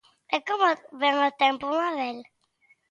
E como vén o tempo, Mabel?